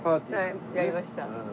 はいやりました。